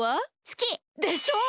すき！でしょ！